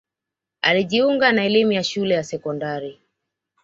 alijiunga na elimu ya shule ya sekondari